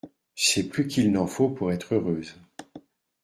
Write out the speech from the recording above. C'est plus qu'il n'en faut pour être heureuse.